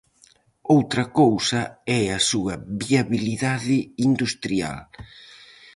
Outra cousa é a súa viabilidade industrial.